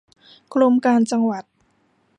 กรมการจังหวัด